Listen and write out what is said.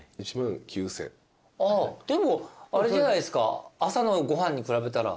あでもあれじゃないですか。